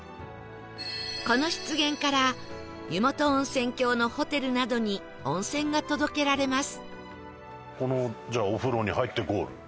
この湿原から湯元温泉郷のホテルなどに温泉が届けられます